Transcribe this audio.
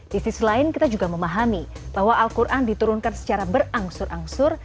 di sisi lain kita juga memahami bahwa al quran diturunkan secara berangsur angsur